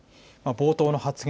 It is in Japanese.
冒頭の発言